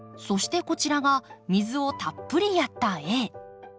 そしてこちらが水をたっぷりやったＡ。